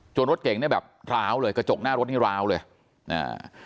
รถเก่งเนี่ยแบบร้าวเลยกระจกหน้ารถนี่ร้าวเลยอ่า